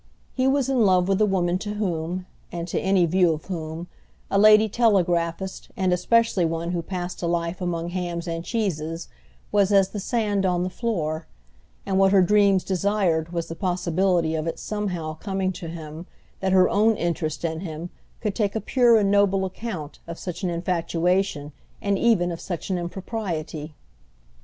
He was in love with a woman to whom, and to any view of whom, a lady telegraphist, and especially one who passed a life among hams and cheeses, was as the sand on the floor; and what her dreams desired was the possibility of its somehow coming to him that her own interest in him could take a pure and noble account of such an infatuation and even of such an impropriety.